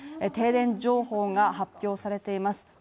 停電情報が発表されています。